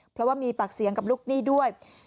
เพราะว่ามีปากเสียงกับลูกหนี้ด้วย